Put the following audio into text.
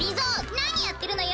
なにやってるのよ。